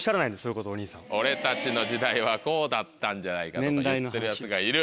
俺たちの時代はこうだったんじゃないかとか言ってるヤツがいる。